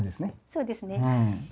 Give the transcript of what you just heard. そうですね。